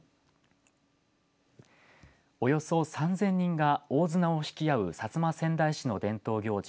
およそ３０００人が大綱を引き合う薩摩川内市の伝統行事